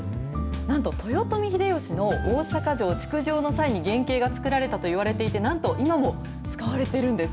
なんと、豊臣秀吉の大坂城築城の際に原型が造られたといわれていて、なんと今も使われてるんです。